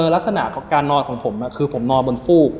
ลักษณะของการนอนของผมคือผมนอนบนฟูก